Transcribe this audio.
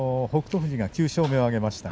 富士が９勝目を挙げました。